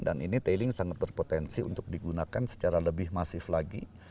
dan ini tailing sangat berpotensi untuk digunakan secara lebih masif lagi